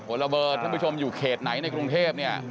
คนละเบอร์ทุกผู้ชมอยู่เขตไหนในกรุงเทพฯ